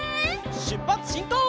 しゅっぱつしんこう！